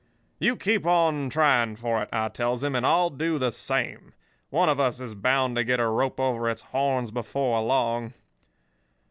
"'You keep on trying for it,' I tells him, 'and I'll do the same. One of us is bound to get a rope over its horns before long.